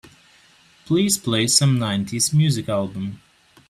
Please play some nineties music album.